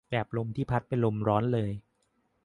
แบบลมที่พัดเป็นลมร้อนเลย